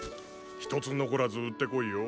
一つ残らず売ってこいよ。